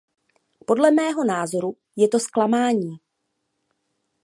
Podle mého názoru je to zklamání.